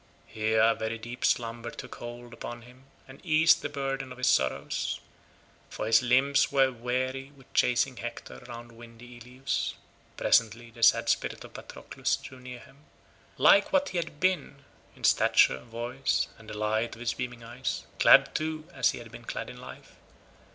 Here a very deep slumber took hold upon him and eased the burden of his sorrows, for his limbs were weary with chasing Hector round windy Ilius. Presently the sad spirit of Patroclus drew near him, like what he had been in stature, voice, and the light of his beaming eyes, clad, too, as he had been clad in life.